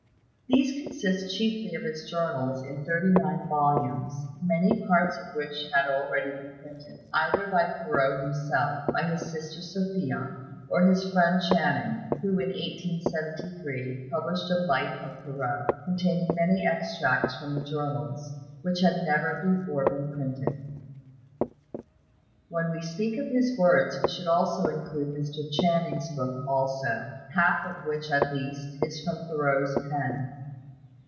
These consist chiefly of his journals in thirty nine volumes, many parts of which had already been printed, either by Thoreau himself, by his sister Sophia, or his friend Channing, who, in 1873, published a life of Thoreau, containing many extracts from the journals, which had never before been printed. When we speak of his works, we should include Mr. Channing's book also, half of which, at least, is from Thoreau's pen.